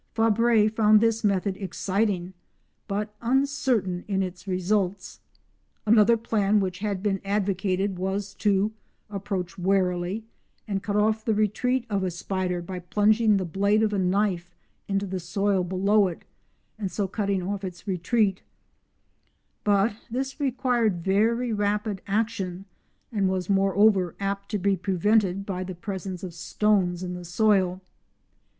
Fabre found this method exciting, but uncertain in its results. Another plan which had been advocated was to approach warily and cut off the retreat of a spider by plunging the blade of a knife into the soil below it and so cutting off its retreat, but this required very rapid action, and was, moreover, apt to be prevented by the presence of stones in the soil.